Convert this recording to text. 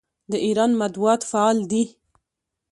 د ایران مطبوعات فعال دي.